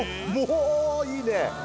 うおいいね。